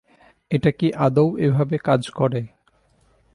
এটা কি আদৌ এভাবে কাজ করে?